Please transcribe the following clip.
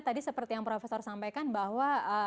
tadi seperti yang profesor sampaikan bahwa